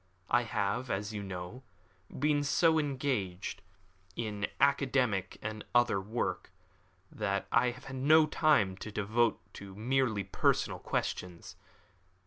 I have, as you know, been so engaged in academical and other work, that I have had no time to devote to merely personal questions.